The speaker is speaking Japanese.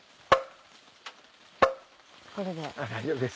これで？